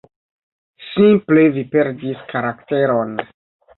Simple vi perdis karakteron.“